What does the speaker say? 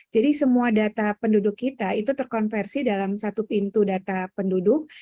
jadi semua data penduduk kita itu terkonversi dalam satu pintu data penduduk